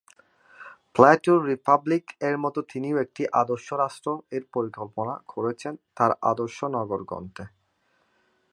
প্লেটোর রিপাবলিক-এর মত তিনিও একটি আদর্শ রাষ্ট্র-এর কল্পনা করেছেন তার আদর্শ নগর গ্রন্থে।